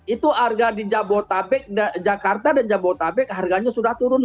itu harga di jabodetabek jakarta dan jabodetabek harganya sudah turun